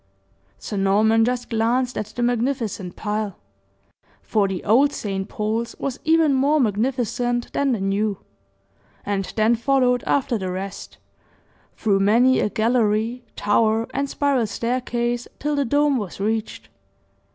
Sir Norman just glanced at the magnificent pile for the old St. Paul's was even more magnificent than the new, and then followed after the rest, through many a gallery, tower, and spiral staircase till the dome was reached.